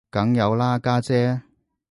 梗有啦家姐